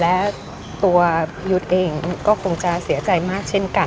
และตัวยุทธ์เองก็คงจะเสียใจมากเช่นกัน